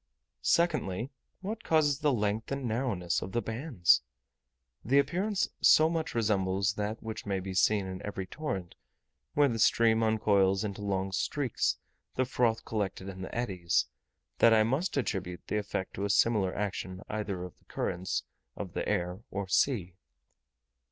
Secondly, what causes the length and narrowness of the bands? The appearance so much resembles that which may be seen in every torrent, where the stream uncoils into long streaks the froth collected in the eddies, that I must attribute the effect to a similar action either of the currents of the air or sea.